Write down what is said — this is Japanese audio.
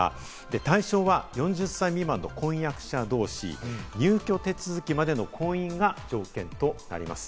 対象は４０歳未満の婚約者同士、入居手続きまでの婚姻が条件となります。